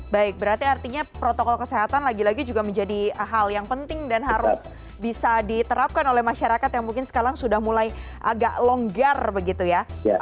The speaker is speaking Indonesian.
baik berarti artinya protokol kesehatan lagi lagi juga menjadi hal yang penting dan harus bisa diterapkan oleh masyarakat yang mungkin sekarang sudah mulai agak longgar begitu ya